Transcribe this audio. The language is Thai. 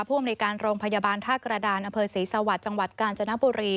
อำนวยการโรงพยาบาลท่ากระดานอำเภอศรีสวรรค์จังหวัดกาญจนบุรี